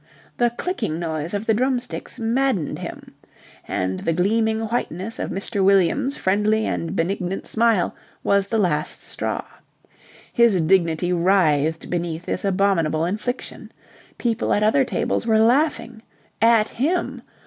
The clicking noise of the drumsticks maddened him. And the gleaming whiteness of Mr. Williams' friendly and benignant smile was the last straw. His dignity writhed beneath this abominable infliction. People at other tables were laughing. At him.